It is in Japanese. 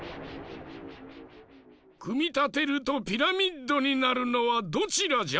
くみたてるとピラミッドになるのはどちらじゃ？